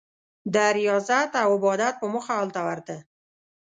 د ریاضت او عبادت په موخه هلته ورته.